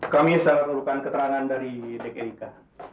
kami sangat merlukan keterangan dari dek erika